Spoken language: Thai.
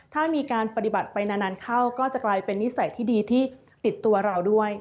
ถ้ามีการปฏิบัติไปนานเข้าก็จะกลายเป็นนิสัยที่ดีที่ติดตัวเราด้วย